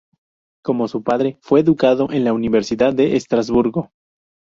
Como su padre, fue educado en la Universidad de Estrasburgo.